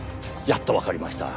やっとわかりました。